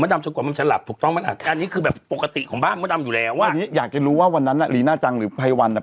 แล้ววันนั้นลิน่าจังเป็นพิธีกรหรือว่าเป็นแขกรับเชิญ